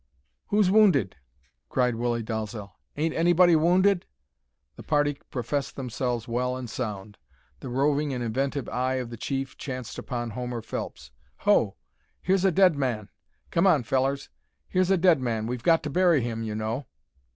"Who's wounded?" cried Willie Dalzel. "Ain't anybody wounded?" The party professed themselves well and sound. The roving and inventive eye of the chief chanced upon Homer Phelps. "Ho! Here's a dead man! Come on, fellers, here's a dead man! We've got to bury him, you know."